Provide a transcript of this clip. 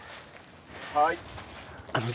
はい。